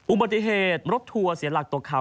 อุปเดหติรถทั่วเสียหลักตกข่าว